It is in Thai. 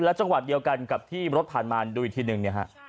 และจังหวัดเดียวกันกับที่รถผ่านมาโดยทีหนึ่ง